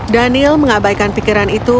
daniel mengabaikan pikiran itu